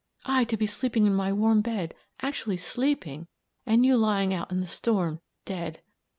I, to be sleeping in my warm bed actually sleeping, and you lying out in the storm, dead.